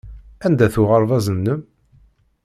Anda-t uɣerbaz-nnem?